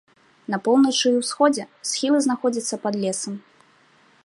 На поўначы і ўсходзе схілы знаходзяцца пад лесам.